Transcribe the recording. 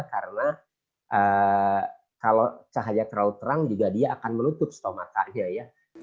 karena kalau cahaya terlalu terang juga dia akan menutup stomatanya